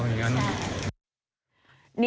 ความคิดของเรายังไง